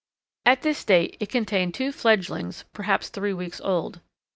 ] At this date it contained two fledglings perhaps three weeks old.